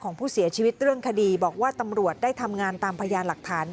ของผู้เสียชีวิตเรื่องคดีบอกว่าตำรวจได้ทำงานตามพยานหลักฐาน